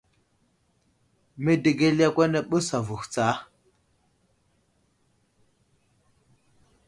Medegel yakw ghe ɓəs avohw tsa.